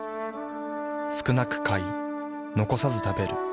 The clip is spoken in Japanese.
少なく買い残さず食べる。